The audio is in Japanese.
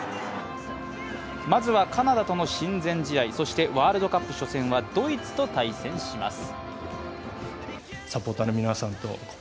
まずはカナダとの親善試合、そしてワールドカップ初戦はドイツと対戦します。